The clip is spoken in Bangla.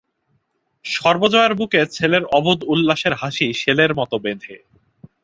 সর্বজয়ার বুকে ছেলের অবোধ উল্লাসের হাসি শেলের মতো বেঁধে।